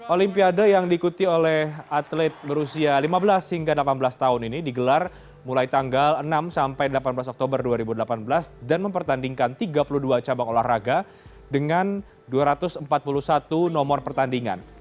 olimpiade yang diikuti oleh atlet berusia lima belas hingga delapan belas tahun ini digelar mulai tanggal enam sampai delapan belas oktober dua ribu delapan belas dan mempertandingkan tiga puluh dua cabang olahraga dengan dua ratus empat puluh satu nomor pertandingan